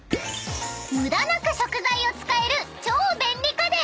［無駄なく食材を使える超便利家電］